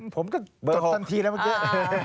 ผมก็เปิดทันทีแล้วเมื่อกี้